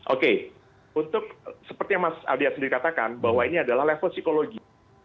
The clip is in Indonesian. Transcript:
oke untuk seperti yang mas adia sendiri katakan bahwa ini adalah level psikologi